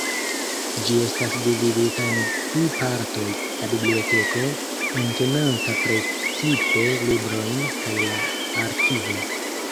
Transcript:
Ĝi estas dividita en du partoj: la biblioteko, entenanta precipe librojn, kaj la arkivo.